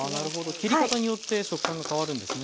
切り方によって食感が変わるんですね。